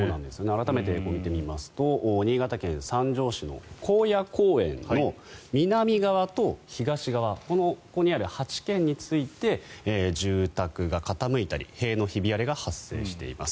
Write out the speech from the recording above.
改めて見てみますと新潟県三条市の興野公園の南側と東側ここにある８軒について住宅が傾いたり塀のひび割れが発生しています。